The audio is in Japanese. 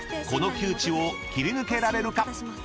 この窮地を切り抜けられるか？］